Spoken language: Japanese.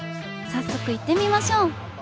早速行ってみましょう！